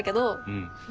うん。